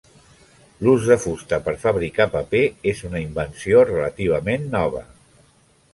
L'ús de fusta per fabricar paper és una invenció relativament nova.